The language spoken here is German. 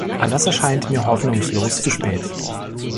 All das erscheint mir hoffnungslos zu spät!